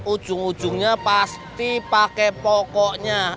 ujung ujungnya pasti pakai pokoknya